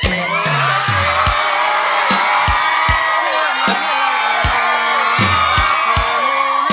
เพื่อหาเธอ